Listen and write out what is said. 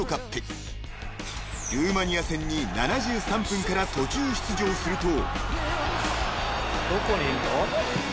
［ルーマニア戦に７３分から途中出場すると］